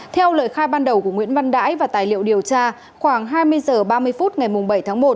theo lời khai ban đầu của nguyễn văn đãi và tài liệu điều tra khoảng hai mươi h ba mươi phút ngày bảy tháng một